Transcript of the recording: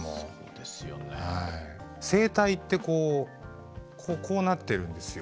声帯ってこうなってるんですよ。